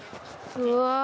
「うわ」